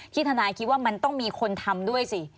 ทนายคิดว่ามันต้องมีคนทำด้วยสิ